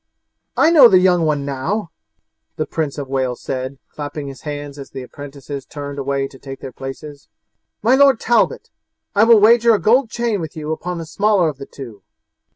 "I know the young one now!" the Prince of Wales said, clapping his hands as the apprentices turned away to take their places. "My Lord Talbot, I will wager a gold chain with you upon the smaller of the two."